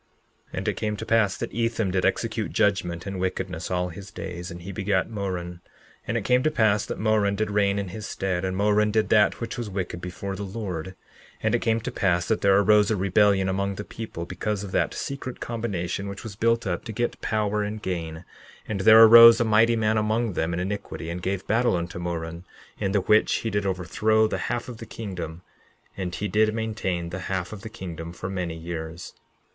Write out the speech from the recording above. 11:14 And it came to pass that Ethem did execute judgment in wickedness all his days; and he begat Moron. And it came to pass that Moron did reign in his stead; and Moron did that which was wicked before the Lord. 11:15 And it came to pass that there arose a rebellion among the people, because of that secret combination which was built up to get power and gain; and there arose a mighty man among them in iniquity, and gave battle unto Moron, in which he did overthrow the half of the kingdom; and he did maintain the half of the kingdom for many years.